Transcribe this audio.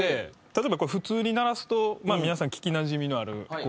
例えば普通に鳴らすと皆さん聞きなじみのある。